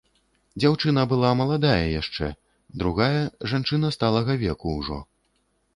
Дзяўчына была маладая яшчэ, другая, жанчына, сталага веку ўжо.